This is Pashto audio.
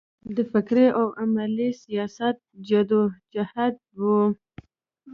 د فکري او عملي سیاست جدوجهد و.